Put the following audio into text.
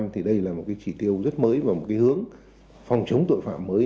thì đây là một chỉ tiêu rất mới và một hướng phòng chống tội phạm mới